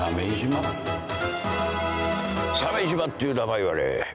鮫島っていう名前はね